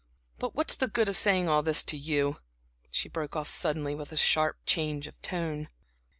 But what's the good of saying all this to you?" she broke off suddenly, with a sharp change of tone.